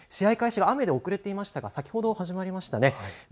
試合開始が雨で遅れていましたが先ほど始まりました。